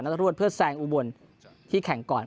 ตรวดเพื่อแซงอุบลที่แข่งก่อน